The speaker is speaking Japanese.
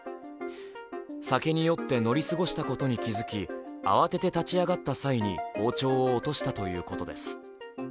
酒に酔って乗り過ごしたことに気付き慌てて立ち上がった際に包丁を落としたということです。